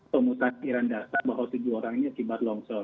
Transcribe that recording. pemutas kiraan data bahwa tujuh orang ini akibat longsor